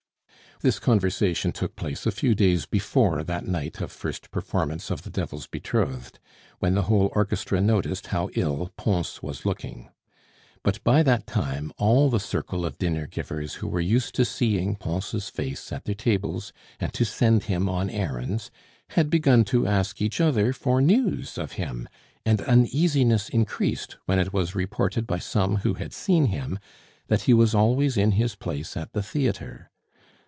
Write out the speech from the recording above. This conversation took place a few days before that night of first performance of The Devil's Betrothed, when the whole orchestra noticed how ill Pons was looking. But by that time all the circle of dinner givers who were used to seeing Pons' face at their tables, and to send him on errands, had begun to ask each other for news of him, and uneasiness increased when it was reported by some who had seen him that he was always in his place at the theatre.